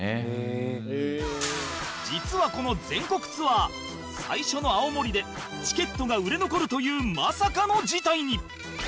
実はこの全国ツアー最初の青森でチケットが売れ残るというまさかの事態に